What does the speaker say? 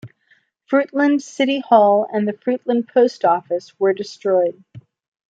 Fruitland City Hall and the Fruitland Post Office were destroyed.